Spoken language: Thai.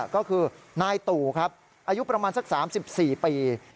ก็คือนายตู่ครับอายุประมาณสัก๓๔ปี